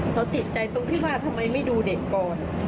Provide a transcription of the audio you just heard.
เขาติดใจตรงที่ว่าทำไมไม่ดูเด็กก่อน